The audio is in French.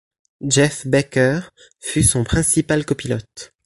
Jeff Becker fut son principal copilote.